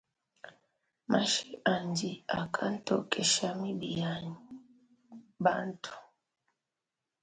Mashi andi akantokesha mibi ya bantu.